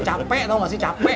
capek tau gak sih capek